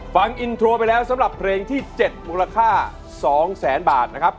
ฟังอินโทรไปแล้วสำหรับเพลงที่๗มูลค่า๒แสนบาทนะครับ